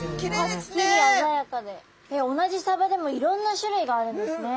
同じサバでもいろんな種類があるんですね。